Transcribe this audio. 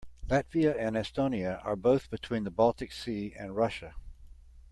Latvia and Estonia are both between the Baltic Sea and Russia.